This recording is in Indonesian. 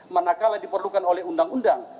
manakala diperlukan oleh undang undang